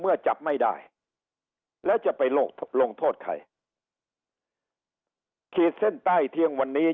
จับไม่ได้แล้วจะไปลงโทษใครขีดเส้นใต้เที่ยงวันนี้